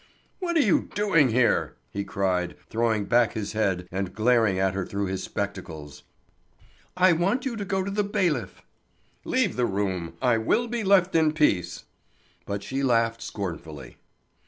"What are you doing here?" he cried, throwing back his head, and glaring at her through his spectacles. "I want you to go to the bailiff." "Leave the room! I will be left in peace!" But she laughed scornfully.